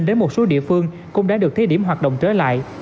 đến một số địa phương cũng đã được thí điểm hoạt động trở lại